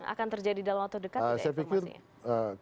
akan terjadi dalam waktu dekat tidak informasinya